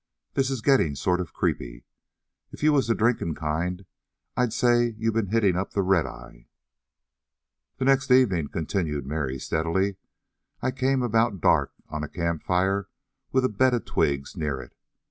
"This is gettin' sort of creepy. If you was the drinking kind I'd say you'd been hitting up the red eye." "The next evening," continued Mary steadily, "I came about dark on a camp fire with a bed of twigs near it.